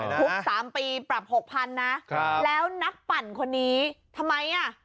ฮุกสามปีปรับหกพันนะแล้วนักปั่นคนนี้ทำไมอ่ะ